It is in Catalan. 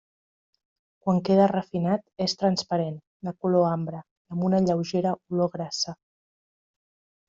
Quan queda refinat és transparent, de color ambre i amb una lleugera olor grassa.